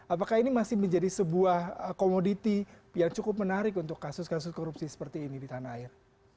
apakah ini masih menjadi sebuah komoditi yang cukup menarik untuk kasus kasus korupsi seperti ini di tanah air